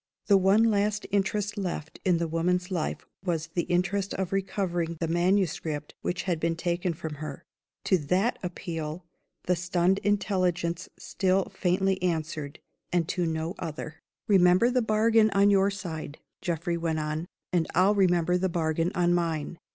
The one last interest left in the woman's life was the interest of recovering the manuscript which had been taken from her. To that appeal the stunned intelligence still faintly answered and to no other. "Remember the bargain on your side," Geoffrey went on, "and I'll remember the bargain on mine.